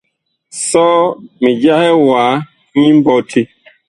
Sɔ mi jahɛ wa nyi mbɔti.